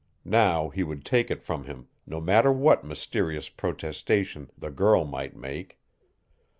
Now he would take it from him no matter what mysterious protestation the girl might make!